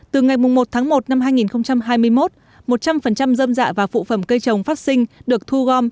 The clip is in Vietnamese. từ ngày một tháng một năm hai nghìn hai mươi một một trăm linh dơm dạ và phụ phẩm cây trồng phát sinh được thu gom